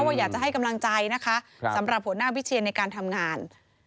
ว่าอยากจะให้กำลังใจนะคะสำหรับหัวหน้าวิเชียนในการทำงาน